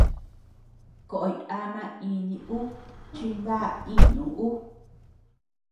Koʼoy ama ini ú chi na inu ú.